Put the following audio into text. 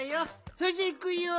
それじゃいくよ。